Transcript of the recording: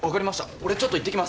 俺ちょっと行ってきます。